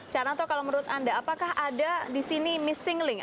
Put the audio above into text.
caranya kalau menurut anda apakah ada disini missing link